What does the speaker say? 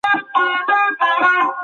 ملتونو به ځانګړي استازي لیږلي وه.